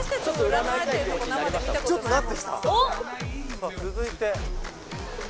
さあ続いてここ？